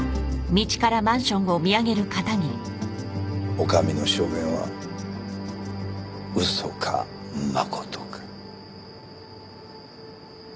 女将の証言は嘘か真か。